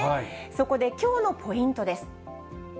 そこで、きょうのポイントです。